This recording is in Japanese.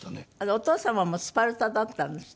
お父様もスパルタだったんですって？